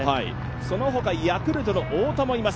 そのほか、ヤクルトの太田もいます。